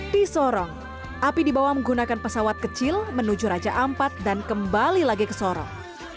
di sorong api dibawa menggunakan pesawat kecil menuju raja ampat dan kembali lagi ke sorong